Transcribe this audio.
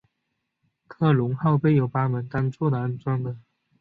科隆号配备有八门单座安装的。